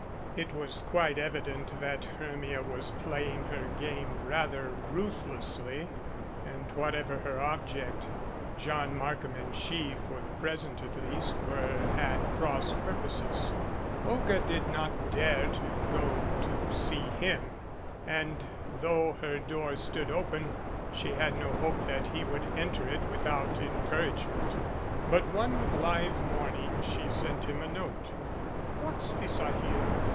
It was quite evident that Hermia was playing her ^ame rather ruthlessly and, whatever her object, John "Markham and she for the present at least were at cross purposes. Olga did not dare to go to see him, and though her door stood open she had no hope that he would enter 280 CIRCE AND THE FOSSIL it without encouragement. But one blithe morning she sent him a note : What's this I hear?